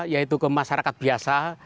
yaitu ke masyarakat biasa